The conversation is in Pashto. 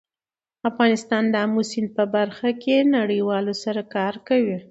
افغانستان د آمو سیند په برخه کې نړیوالو سره کار کوي.